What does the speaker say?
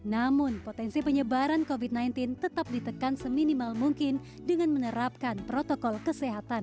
namun potensi penyebaran covid sembilan belas tetap ditekan seminimal mungkin dengan menerapkan protokol kesehatan